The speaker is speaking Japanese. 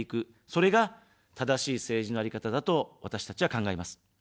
それが正しい政治のあり方だと、私たちは考えます。